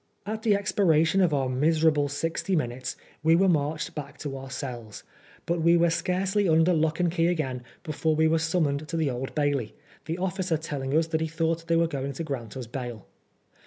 At the expiration of our miserable sixty minntes we were marched back to our cells ; but we were scarcely under lock and key again before we were summoned to the Old Bailey, the officer telling us that he thought they were going to grant us bail.